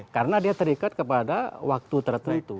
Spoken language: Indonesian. karena dia terikat kepada waktu tertentu